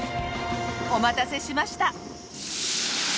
お待たせしました。